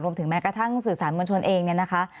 ถึงแม้กระทั่งสื่อสารมวลชนเองเนี่ยนะคะ